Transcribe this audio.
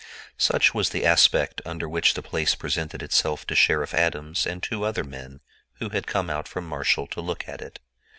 Such was the aspect under which the place presented itself to Sheriff Adams and two other men who had come out from Marshall to look at it.